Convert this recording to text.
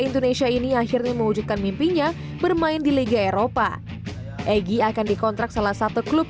indonesia ini akhirnya mewujudkan mimpinya bermain di liga eropa egy akan dikontrak salah satu klub